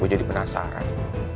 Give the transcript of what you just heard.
gue jadi penasaran